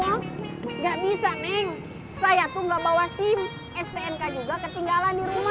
kamu gak bisa ming saya tuh gak bawa sim stnk juga ketinggalan di rumah